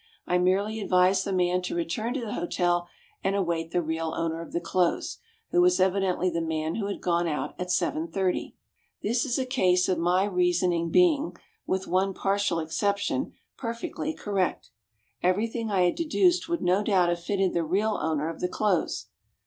I merely advised the man to return to the hotel and await the real owner of the clothes, who was evidently the man who had gone out at 7.30. This is a case of my reasoning being, with one partial exception, perfectly correct. Everything I had deduced would no doubt have fitted the real owner of the clothes.